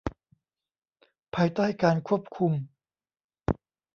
ภายใต้การควบคุม